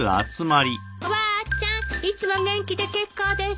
おばあちゃんいつも元気で結構ですね。